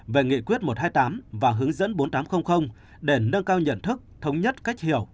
về nghị quyết một trăm hai mươi tám và hướng dẫn bốn nghìn tám trăm linh để nâng cao nhận thức thống nhất cách hiểu